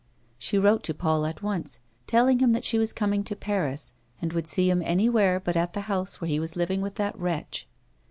She wrote to Paul at once, telling him that she was coming to Paris, and would see him anywhere but at the house where he was living with that wretch.